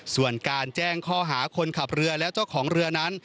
ส่วนการแจ้งข้อหาคนขับเรือและเจ้าของเรือนั้น